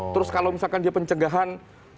terus kalau misalkan dia pencegahan